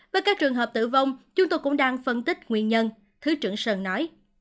với các trường hợp tử vong chúng tôi cũng đang phân tích nguyên nhân thứ trưởng sơn nói